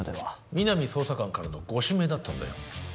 皆実捜査官からのご指名だったんだよ。